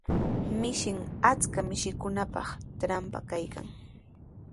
Mishin achka mishikunapa trawpintraw kaykan.